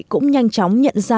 cũng nhanh chóng nhận ra